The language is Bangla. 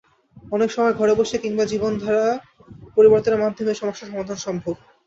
অনেক সময় ঘরে বসেই কিংবা জীবনধারা পরিবর্তনের মাধ্যমে এসব সমস্যার সমাধান সম্ভব।